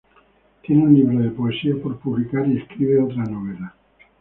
Tiene un libro de poesía por publicar y escribe otra novela.